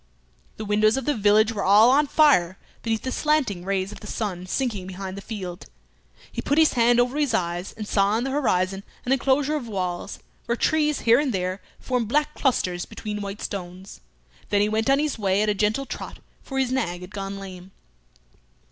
The windows of the village were all on fire beneath the slanting rays of the sun sinking behind the field. He put his hand over his eyes, and saw in the horizon an enclosure of walls, where trees here and there formed black clusters between white stones; then he went on his way at a gentle trot, for his nag had gone lame.